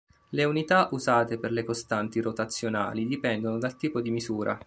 Le unità usate per le costanti rotazionali dipendono dal tipo di misura.